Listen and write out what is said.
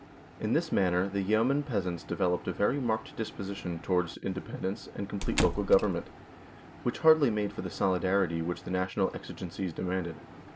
In this manner, the yeomen peasants de veloped a very marked disposition towards inde pendence and complete local government, which hardly made for the solidarity which the national exi gencies demanded.